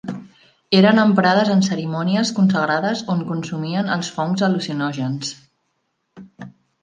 Eren emprades en cerimònies consagrades on consumien els fongs al·lucinògens.